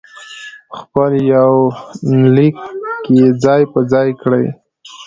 په خپل يونليک کې ځاى په ځاى کړي